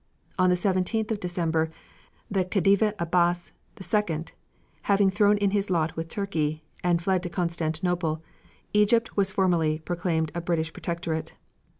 On the 17th of December, the Khedive Abbas II, having thrown in his lot with Turkey and fled to Constantinople, Egypt was formally proclaimed a British Protectorate.